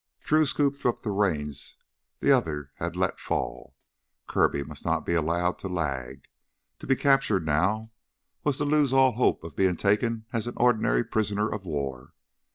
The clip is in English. Drew scooped up the reins the other had let fall. Kirby must not be allowed to lag. To be captured now was to lose all hope of being taken as an ordinary prisoner of war.